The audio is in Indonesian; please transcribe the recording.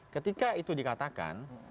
ketika itu dikatakan